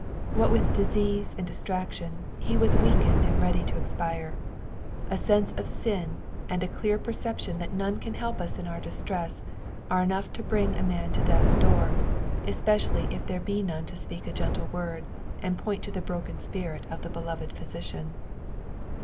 ''' What with disease and distraction, he was weakened and ready to expire. A sense of sin, and a clear percepUoa that none can help uh in our distreaB, are enough to bring a man to death's door, especially if there be none to speak a gentle word, and point the broken spirit to the beloved Physician.